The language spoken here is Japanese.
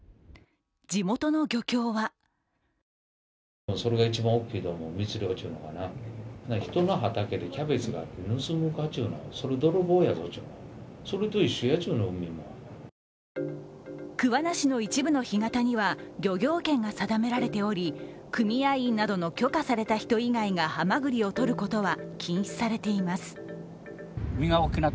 地元の漁協は桑名市の一部の干潟には漁業権が定められており組合員などの許可された人以外がはまぐりを取ることは禁止されています。